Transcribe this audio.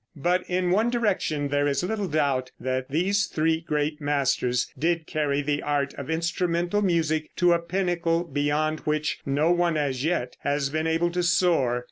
But in one direction there is little doubt that these three great masters did carry the art of instrumental music to a pinnacle beyond which no one as yet has been able to soar.